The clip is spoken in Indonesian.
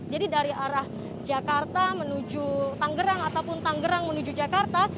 jadi dari arah jakarta menuju tanggrang ataupun tanggrang menuju jakarta